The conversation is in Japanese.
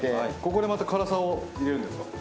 ここでまた辛さを入れるんですか。